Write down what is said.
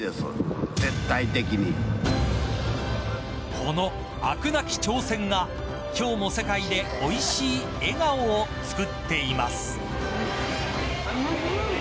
この飽くなき挑戦が今日も世界でおいしい笑顔を作っています。